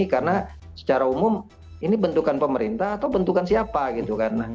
karena secara umum ini bentukan pemerintah atau bentukan siapa gitu kan